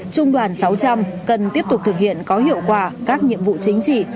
trung đoàn sáu trăm linh cần tiếp tục thực hiện có hiệu quả các nhiệm vụ chính trị